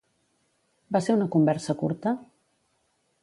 Va ser una conversa curta?